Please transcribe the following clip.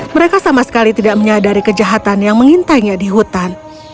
mereka sama sekali tidak menyadari kejahatan yang mengintainya di hutan